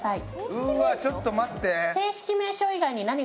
うわーちょっと待って。